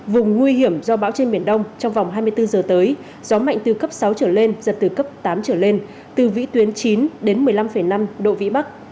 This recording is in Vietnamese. vùng nguy hiểm do bão trên biển đông trong vòng hai mươi bốn giờ tới gió mạnh từ cấp sáu trở lên giật từ cấp tám trở lên từ vĩ tuyến chín đến một mươi năm năm độ vĩ bắc